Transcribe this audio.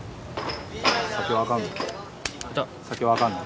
酒はあかんの？